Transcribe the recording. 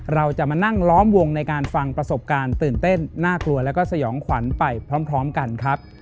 เราจะมานั่งล้อมวงในการฟังประสบการณ์ตื่นเต้นน่ากลัวแล้วก็สยองขวัญไปพร้อมกันครับ